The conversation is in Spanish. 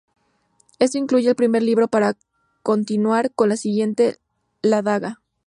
Esto concluye el primer libro para continuar con el siguiente, "La daga".